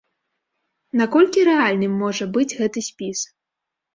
Наколькі рэальным можа быць гэты спіс?